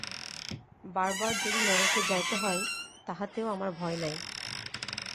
বার বার যদি নরকে যাইতে হয়, তাহাতেও আমার ভয় নাই।